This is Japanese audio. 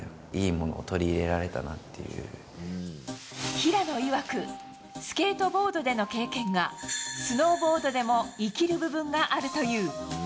平野いわくスケートボードでの経験がスノーボードでも生きる部分があるという。